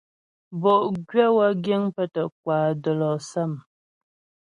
Bo'gwyə̌ wə́ giŋ pə́ tə́ kwà də́lɔ'sâm.